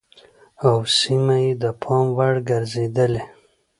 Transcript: او سيمه يې د پام وړ ګرځېدلې